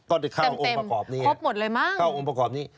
โอ้โหเต็มเข้าองค์ประกอบนี้